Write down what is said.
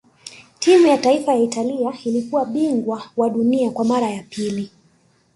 timu ya taifa ya italia ilikuwa bingwa wa dunia kwa mara ya pili